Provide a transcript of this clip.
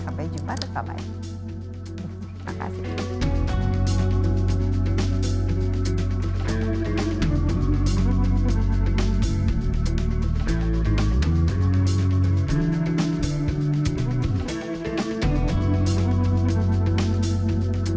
sampai jumpa di kamar ini